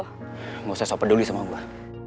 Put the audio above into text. gak usah sopet dulu sama gue